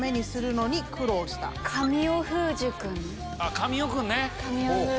神尾君ね。